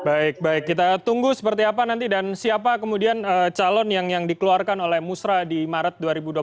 baik baik kita tunggu seperti apa nanti dan siapa kemudian calon yang dikeluarkan oleh musra di maret dua ribu dua puluh